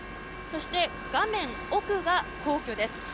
そして、画面奥が皇居です。